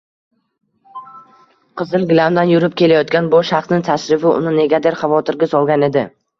qizil gilamdan yurib kelayotgan bu shaxsning tashrifi uni negadir xavotirga solgan edi.